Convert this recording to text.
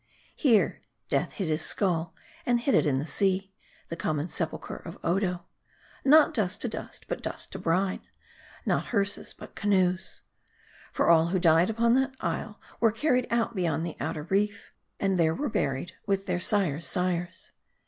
Here Death hid his skull ; and hid it in the sea, the common sepulcher of Odo. Not dust to dust, but dust to brine ; not hearses but canoes. For all who died upon that isle were carried out beyond the outer reef, and there were buried with their sires' sires.